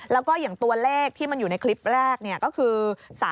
แล้วก็อย่างตัวเลขที่มันอยู่ในคลิปแรกก็คือ